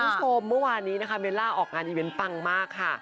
คุณผู้ชมเมื่อวานนี้นะคะเบลล่าออกงานอีเวนต์ปังมากค่ะ